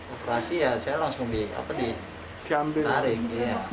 operasi ya saya langsung di taring